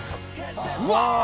うわ！